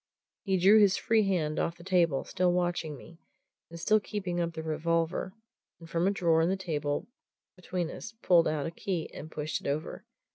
He drew his free hand off the table, still watching me, and still keeping up the revolver, and from a drawer in the table between us pulled out a key and pushed it over.